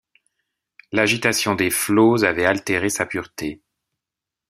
L’agitation des flots avait altéré sa pureté.